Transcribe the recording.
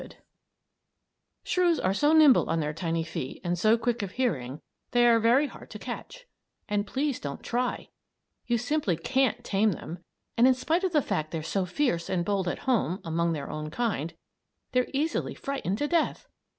[Illustration: THE CILIATED SHREW] Shrews are so nimble on their tiny feet and so quick of hearing, they are very hard to catch. And please don't try! You simply can't tame them, and in spite of the fact they're so fierce and bold at home among their own kind they're easily frightened to death.